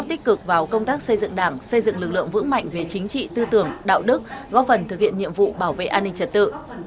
tích cực vào công tác xây dựng đảng xây dựng lực lượng vững mạnh về chính trị tư tưởng đạo đức góp phần thực hiện nhiệm vụ bảo vệ an ninh trật tự